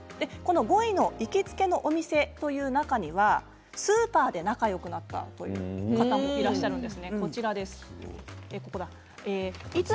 ５位の行きつけのお店の中にはスーパーで仲よくなったという方もいらっしゃるんです。